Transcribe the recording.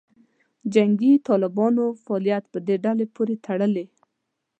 جنګي طالبانو فعالیت په دې ډلې پورې تړلې.